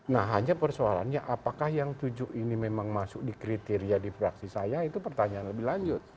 nah hanya persoalannya apakah yang tujuh ini memang masuk di kriteria di fraksi saya itu pertanyaan lebih lanjut